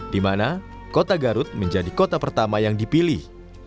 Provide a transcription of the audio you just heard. di mana kota garut menjadi kota pertama yang dipilih